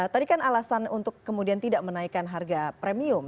tadi kan alasan untuk kemudian tidak menaikkan harga premium